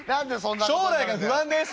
「将来が不安です」。